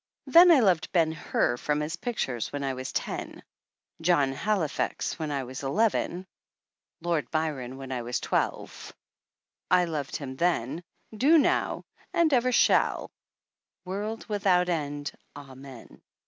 Then I loved Ben Hur from his pictures when I was ten, John Halifax when I was eleven, Lord Byron when I was twelve I loved him then, do now, and ever shall, world without end, Amen